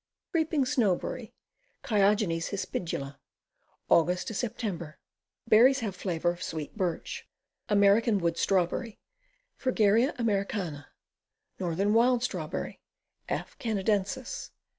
Creeping Snowberry. Chiogenes hispidma. Aug. Sep. Berries have flavor of sweet birch. American Wood Strawberry. Fragaria Americana. Northern Wild Strawberry. F. Canadensis.